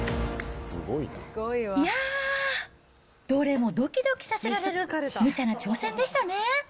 いやー、どれもどきどきさせられるむちゃな挑戦でしたね。